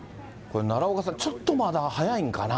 これ奈良岡さん、ちょっとまだ早いんかな。